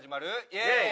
イエーイ！